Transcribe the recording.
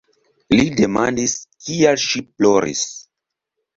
Li demandis, kial ŝi ploris.